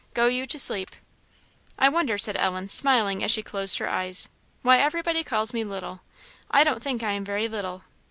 Go you to sleep." "I wonder," said Ellen, smiling as she closed her eyes, "why everybody calls me 'little;' I don't think I am very little.